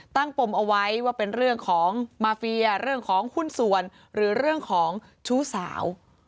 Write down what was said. ปมเอาไว้ว่าเป็นเรื่องของมาเฟียเรื่องของหุ้นส่วนหรือเรื่องของชู้สาว